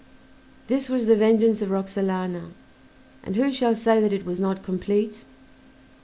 This was the vengeance of Roxalana, and who shall say that it was not complete?